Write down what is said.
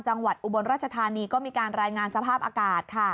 จังหวัดอุบลราชธานีก็มีการรายงานสภาพอากาศ